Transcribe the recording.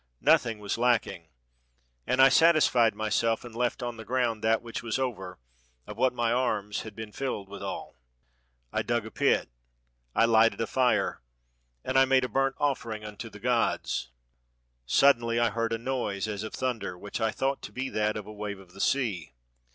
Nothing was lacking. And I satisfied my self; and left on the ground that which was over, of what my arms had been filled withal. I dug a pit, I Hghted a fire, and I made a burnt offering imto the gods. ''Suddenly I heard a noise as of thunder, which I thought to be that of a wave of the sea.